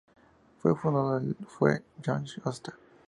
Su fundador fue John Oster.